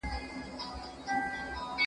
موږ غواړو پښتو ژبه ډیجیټل کړو.